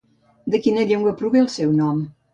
De quina llengua prové el seu nom?